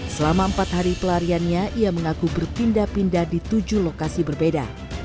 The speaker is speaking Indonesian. selama empat hari pelariannya ia mengaku berpindah pindah di tujuh lokasi berbeda